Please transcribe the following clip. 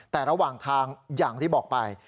แต่ระหว่างทางอย่างที่บอกไป